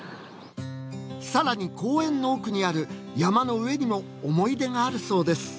更に公園の奥にある山の上にも思い出があるそうです。